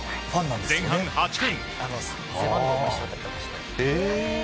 前半８分。